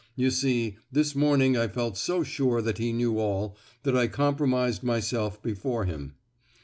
You see, this morning I felt so sure that he knew all, that I compromised myself before him.